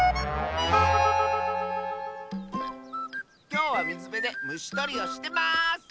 きょうはみずべでむしとりをしてます！